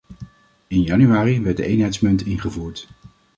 In januari werd de eenheidsmunt ingevoerd.